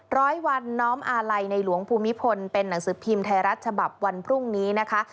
ร้อยวันน้อมอาลัยในหลวงภูมิพลเป็นหนังสือพิมพ์ไทยรัฐฉบับวันพรุ่งนี้นะคะ